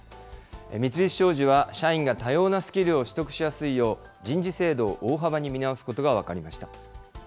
三菱商事は、社員が多様なスキルを取得しやすいよう、人事制度を大幅に見直すことが分かりました。